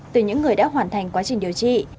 từ những người đã hoàn thành quá trình điều trị